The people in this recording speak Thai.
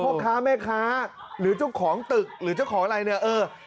พ่อค้าแม่ค้าหรือเจ้าของตึกหรือเจ้าของอะไรเนี่ยเออ